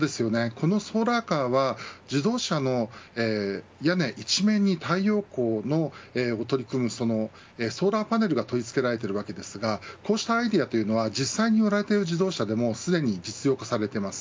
このソーラーカーは、自動車の屋根一面に太陽光を取り込むソーラーパネルが取り付けられているわけですがこうしたアイデアは実際に売られている自動車でもすでに実現されています。